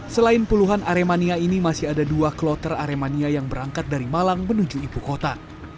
selain puluhan aremania ini masih ada dua kloter aremania yang berangkat dari malang menuju ibu kota